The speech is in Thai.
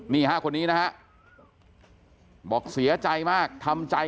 นี่ฮะคนนี้นะฮะบอกเสียใจมากทำใจ